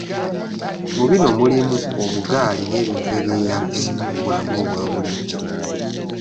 Mu bino mulimu; obugaali n'ebintu ebyeyambisibwa mu bulamu obwabulijjo.